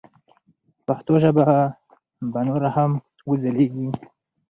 پښتو ژبه به نوره هم وځلیږي.